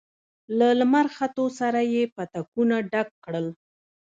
له لمر ختو سره يې پتکونه ډک کړل.